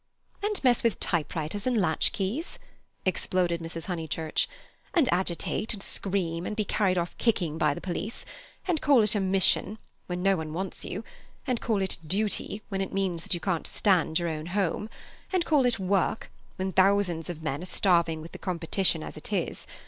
"And mess with typewriters and latch keys," exploded Mrs. Honeychurch. "And agitate and scream, and be carried off kicking by the police. And call it a Mission—when no one wants you! And call it Duty—when it means that you can't stand your own home! And call it Work—when thousands of men are starving with the competition as it is!